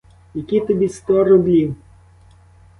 Які тобі сто рублів?